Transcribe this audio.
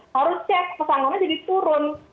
harus cek pesangonnya jadi turun